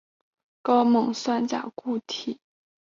高锰酸钾固体与纯甘油或一些醇反应会剧烈燃烧。